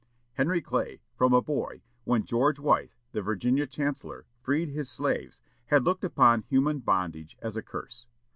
Henry Clay, from a boy, when George Wythe, the Virginia chancellor, freed his slaves, had looked upon human bondage as a curse.